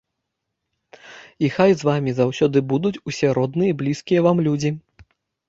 І хай з вамі заўсёды будуць усе родныя і блізкія вам людзі!